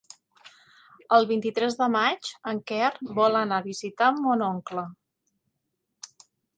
El vint-i-tres de maig en Quer vol anar a visitar mon oncle.